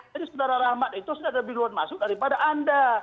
jadi saudara rahmat itu sudah ada biluan masuk daripada anda